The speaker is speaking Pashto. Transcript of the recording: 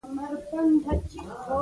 ته به راشئ، ته به راشې